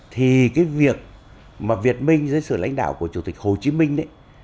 thì cái việc mà việt minh dưới sự lãnh đạo của chủ tịch hồ chí minh đấy